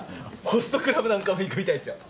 ホストクラブなんかも行くみたいですよ。